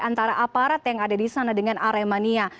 antara aparat yang ada disana dengan aremania